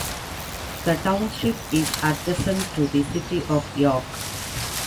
The township is adjacent to the city of York.